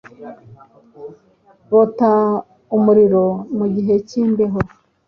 bota umuriro mu gihe k’imbeho.